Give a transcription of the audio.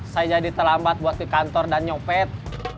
saya jadi terlambat buat di kantor dan nyopet